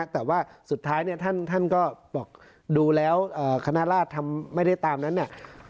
แต่ว่าสุดท้ายท่านก็ดูแล้วขณะราชทำไม่ได้ตามแล้วนะ